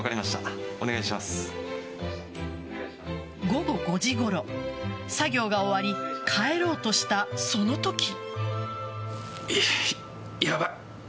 午後５時ごろ作業が終わり帰ろうとしたそのとき。